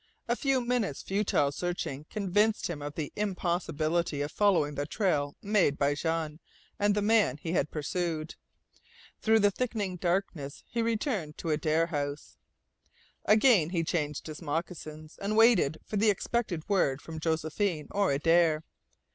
A few minutes futile searching convinced him of the impossibility of following the trail made by Jean and the man he had pursued. Through the thickening darkness he returned to Adare House. Again he changed his moccasins, and waited for the expected word from Josephine or Adare.